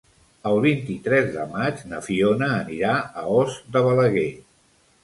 El vint-i-tres de maig na Fiona anirà a Os de Balaguer.